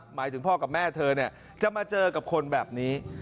หมายถึงพ่อกับแม่เธอจะมาเจอกับคนแบบนี้